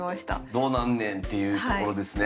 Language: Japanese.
どうなんねんっていうところですね。